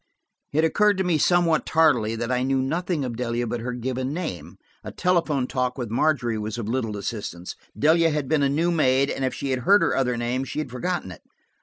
It occurred to me somewhat tardily, that I knew nothing of Delia but her given name. A telephone talk with Margery was of little assistance: Delia had been a new maid, and if she had heard her other name, she had forgotten it.